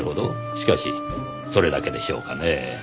しかしそれだけでしょうかねぇ。